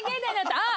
あっ！